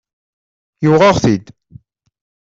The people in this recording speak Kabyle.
Yuɣ-aɣ-t-id.